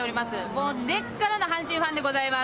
もう根っからの阪神ファンでございます。